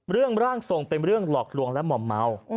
ร่างทรงเป็นเรื่องหลอกลวงและหม่อมเมา